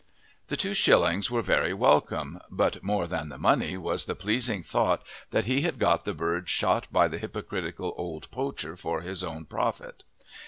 The two shillings were very welcome, but more than the money was the pleasing thought that he had got the bird shot by the hypocritical old poacher for his own profit.